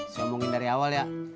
saya omongin dari awal ya